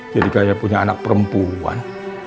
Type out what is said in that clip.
jadi kayak punya anak perempuan